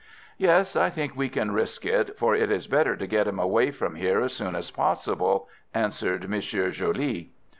"Yes, I think we can risk it, for it is better to get him away from here as soon as possible," answered M. Joly.